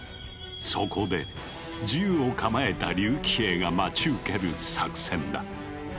そこで銃を構えた竜騎兵が待ち受ける作戦だ。